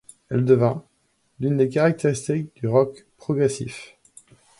Elle devient l'une des caractéristiques du rock progressif.